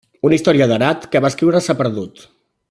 Una història d'Herat que va escriure s'ha perdut.